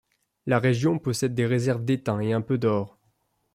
La région possède des réserves d'étain et un peu d'or.